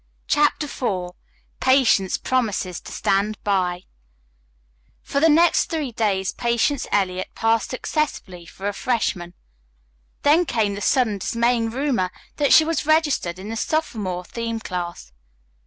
CHAPTER IV PATIENCE PROMISES TO STAND BY For the next three days Patience Eliot passed successfully for a freshman. Then came the sudden dismaying rumor that she was registered in the sophomore theme class.